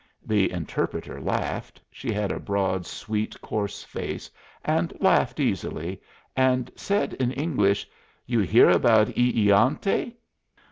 The interpreter laughed she had a broad, sweet, coarse face, and laughed easily and said in English, "You hear about E egante?"